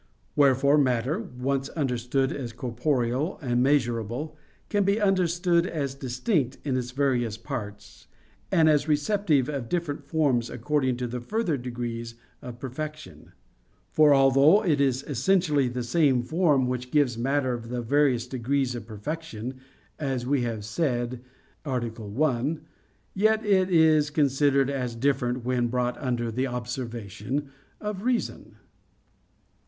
Wherefore matter, once understood as corporeal and measurable, can be understood as distinct in its various parts, and as receptive of different forms according to the further degrees of perfection. For although it is essentially the same form which gives matter the various degrees of perfection, as we have said (ad 1), yet it is considered as different when brought under the observation of reason.